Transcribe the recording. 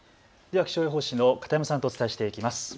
では気象予報士の片山さんとお伝えしていきます。